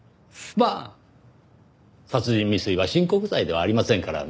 まあ殺人未遂は親告罪ではありませんからね。